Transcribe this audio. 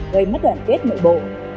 gây mất đoàn kết mọi bộ